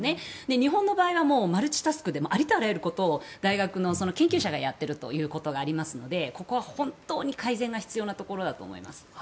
日本の場合はマルチタスクでありとあらゆることを大学の研究者がやってるということがありますのでここは本当に改善が必要なところだと思います。